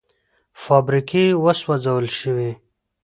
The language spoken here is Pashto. فابریکې وسوځول شوې.